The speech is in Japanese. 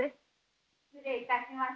・失礼いたします。